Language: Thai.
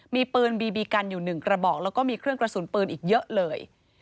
มีปืนบีบีกันอยู่๑กระบอกแล้วก็มีเครื่องกระสุนปืนอีกเยอะเลย